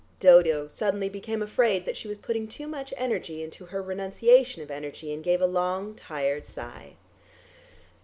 Dodo suddenly became afraid that she was putting too much energy into her renunciation of energy, and gave a long, tired sigh.